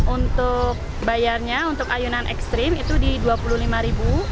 untuk bayarnya untuk ayunan ekstrim itu di rp dua puluh lima